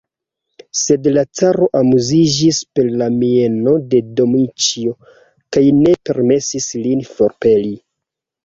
Sed la caro amuziĝis per la mieno de Dmiĉjo kaj ne permesis lin forpeli.